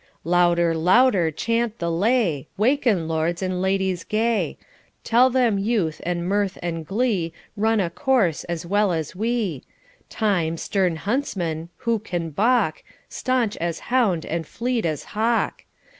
Louder, louder chant the lay, Waken, lords and ladies gay; Tell them youth, and mirth, and glee Run a course as well as we; Time, stern huntsman! who can baulk, Stanch as hound and fleet as hawk?